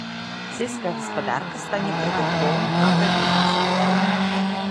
Сельская гаспадарка стане прыбытковым аграбізнэсам.